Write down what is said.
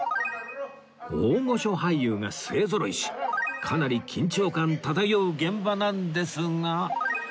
大御所俳優が勢ぞろいしかなり緊張感漂う現場なんですが